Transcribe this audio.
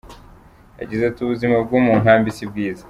Yagize ati "Ubuzima bwo mu nkambi si bwiza.